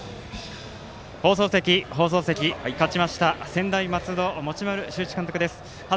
放送席、勝ちました専大松戸持丸修一監督です。